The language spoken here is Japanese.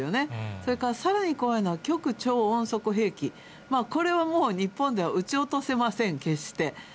それからさらに怖いのは、極超音速兵器、これはもう、日本では撃ち落とせません、決して。